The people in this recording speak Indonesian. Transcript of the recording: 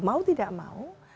mau tidak mau